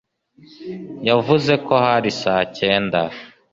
yavuze ko hari saa cyenda